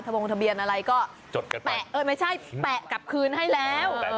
ทะวงทะเบียนอะไรก็แปะไม่ใช่แปะกลับคืนให้แล้ว